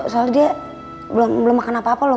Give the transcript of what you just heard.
soalnya dia belum makan apa apa loh